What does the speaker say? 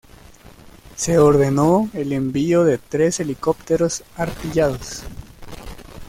Se ordenó el envío de tres helicópteros artillados.